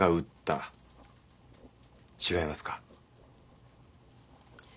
違いますか？